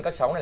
các cháu này